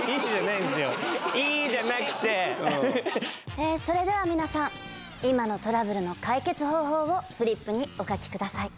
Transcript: えそれでは皆さん今のトラブルの解決方法をフリップにお書きください。